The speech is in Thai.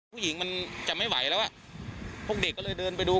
กู้ภัยก็เลยมาช่วยแต่ฝ่ายชายก็เลยมาช่วย